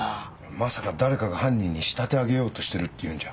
まさか誰かが犯人に仕立て上げようとしてるっていうんじゃ。